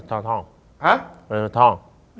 ต้นเรนท่องท่อง